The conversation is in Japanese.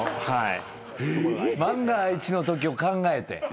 万が一のときを考えて。